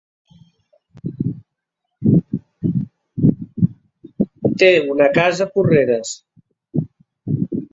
Té una casa a Porreres.